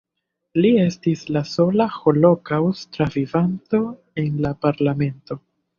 Li estis la sola holokaŭst-travivanto en la parlamento.